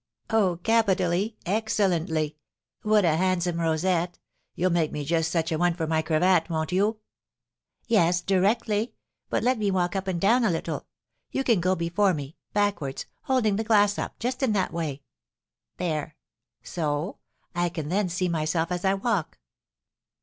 "Oh, capitally, excellently! What a handsome rosette! You'll make me just such a one for my cravat, won't you?" "Yes, directly. But let me walk up and down a little. You can go before me backwards holding the glass up, just in that way. There so! I can then see myself as I walk."